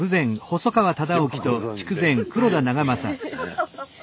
ハハハッ。